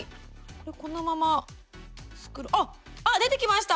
このまま出てきました！